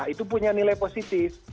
itu punya nilai positif